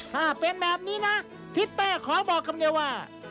ถ้าเป็นแบบนี้นะทิศเป้ขอบอกคำเดียวว่า